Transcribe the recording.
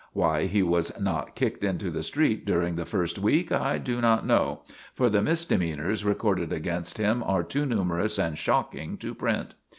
Why he was not kicked into the street during the first week I do not know, for the misdemeanors recorded against him are too numerous and shocking to print.